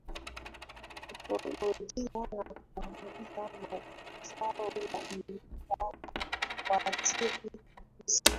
ikolojia na kupunguza mazao ya mimea na kuathiri misitu